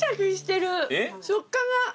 食感が。